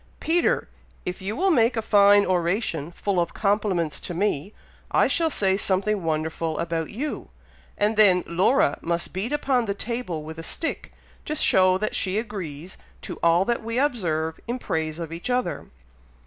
Peter! if you will make a fine oration, full of compliments to me, I shall say something wonderful about you, and then Laura must beat upon the table with a stick, to show that she agrees to all that we observe in praise of each other."